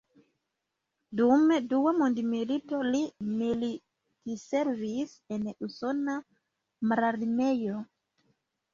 Dum Dua Mondmilito li militservis en usona mararmeo.